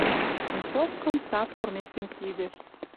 Винтовкым цат кормежтен кидӹш